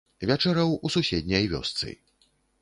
Вячэраў у суседняй вёсцы.